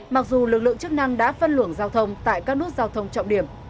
mặc dù lực lượng chức năng đã phân luồng giao thông tại các nút giao thông trọng điểm